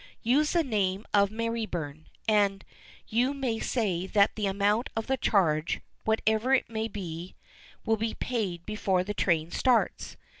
Use the name of Merryburn, and you may say that the amount of the charge, whatever it may be, will be paid before the train starts.